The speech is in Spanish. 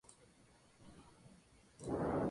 Instaló un estudio en Bond Street, Londres.